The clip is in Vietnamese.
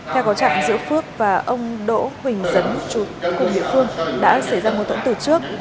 theo có trạng giữa phước và ông đỗ huỳnh dấn trụ của địa phương đã xảy ra một tổng tử trước